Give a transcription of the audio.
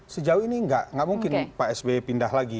sejauh ini tidak tidak mungkin pak sby pindah lagi